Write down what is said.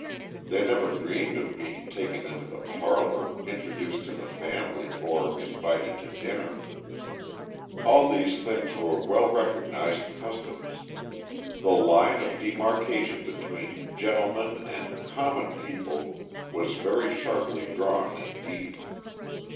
They never dreamed of being taken into the parlor, introduced to the family, or invited to dinner. All these things were well recognized customs; the line of demarkation between "gentlemen" and "common people" was very sharply drawn indeed.